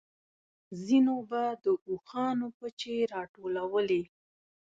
ځينو به د اوښانو پچې راټولولې.